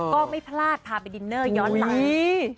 ก็ไม่พลาดพาไปดินเนอร์ย้อนหลัง